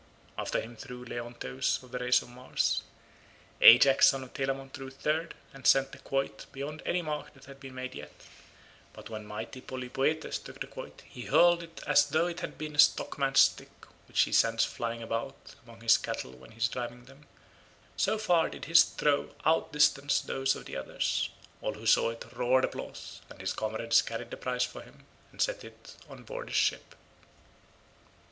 After him threw Leonteus of the race of Mars. Ajax son of Telamon threw third, and sent the quoit beyond any mark that had been made yet, but when mighty Polypoetes took the quoit he hurled it as though it had been a stockman's stick which he sends flying about among his cattle when he is driving them, so far did his throw out distance those of the others. All who saw it roared applause, and his comrades carried the prize for him and set it on board his ship.